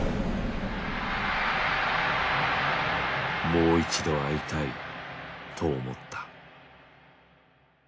「もう一度会いたい」と思った。